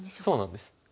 そうなんです。